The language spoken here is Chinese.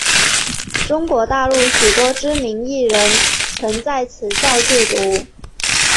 中国大陆许多知名艺人曾在此校就读。